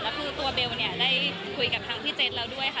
แล้วคือตัวเบลได้คุยกับทางพี่เจสเราด้วยค่ะ